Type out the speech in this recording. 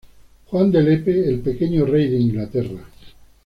Juan de Lepe, el pequeño Rey de Inglaterra.